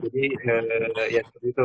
jadi ya seperti itu